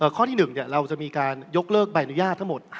ข้อที่๑เราจะมีการยกเลิกใบอนุญาตทั้งหมด